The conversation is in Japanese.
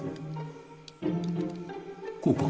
こうか？